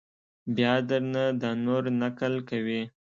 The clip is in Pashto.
بیا در نه دا نور نقل کوي!